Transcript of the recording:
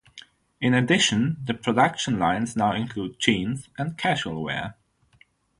In addition, the production lines now include jeans and casual wear.